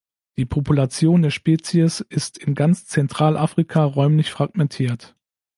Die Population der Spezies ist in ganz Zentralafrika räumlich fragmentiert.